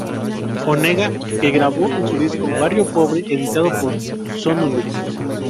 Onega, que grabó en su disco "Barrio Pobre", editado por Sonolux.